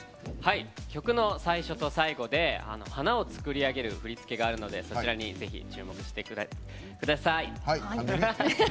曲の最初と最後で花を作り上げる振り付けがあるのでそちらにぜひ、注目してください。